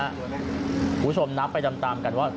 คุณผู้ชมนับไปตามกันว่า